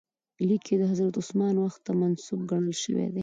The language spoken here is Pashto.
لیک یې د حضرت عثمان وخت ته منسوب ګڼل شوی دی.